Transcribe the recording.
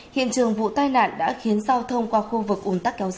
hiện trường vụ tai nạn đã khiến giao thông qua khu vực ủn tắc kéo dài